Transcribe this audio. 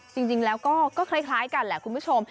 จริงแล้วก็คล้ายกันแหละคุณผู้ชม